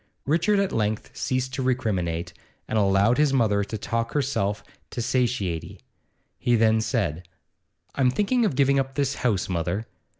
Richard at length ceased to recriminate, and allowed his mother to talk herself to satiety. He then said: 'I'm thinking of giving up this house, mother.